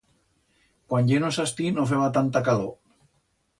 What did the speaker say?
Cuan yenos astí no feba tanta calor.